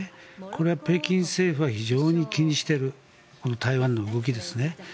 これは北京政府は非常に気にしている台湾の動きですね。